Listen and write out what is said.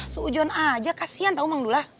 suujon aja kasian tau mang dula